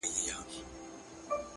مُريد ښه دی ملگرو او که پير ښه دی ـ